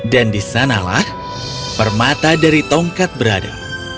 dan disanalah permata dari tongkat berada